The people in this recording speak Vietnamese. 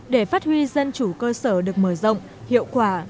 để phát huy dân chủ cơ sở được mở rộng hiệu quả